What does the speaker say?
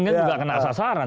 kan juga kena sasaran